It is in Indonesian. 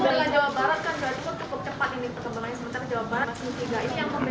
jadi warga yang anak anak yang terbentuk di pek lapangan di perusahaan kan itu tidak libur